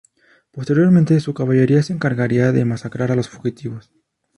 Posteriormente su caballería se encargaría de masacrar a los fugitivos.